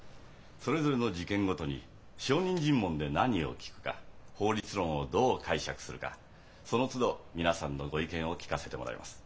それぞれの事件ごとに証人尋問で何を聞くか法律論をどう解釈するかそのつど皆さんのご意見を聞かせてもらいます。